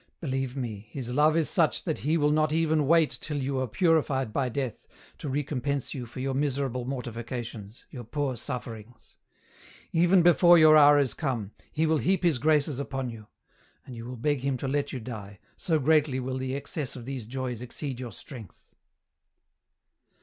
Believe me, His love is such that He will not even wait till you are purified by death to recompense you for your miserable mortifications, your poor sufferings. Even before youi hour is come, He will heap His graces upon you, and you will beg Him to let you die, so greatly will the excess ot these joys exceed your strength."